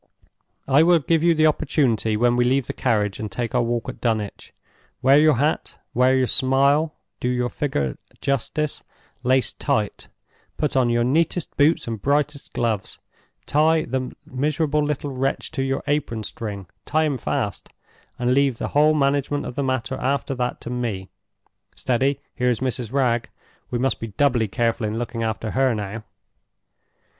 I will give you the opportunity when we leave the carriage and take our walk at Dunwich. Wear your hat, wear your smile; do your figure justice, lace tight; put on your neatest boots and brightest gloves; tie the miserable little wretch to your apron string—tie him fast; and leave the whole management of the matter after that to me. Steady! here is Mrs. Wragge: we must be doubly careful in looking after her now.